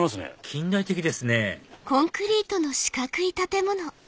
近代的ですねえっ？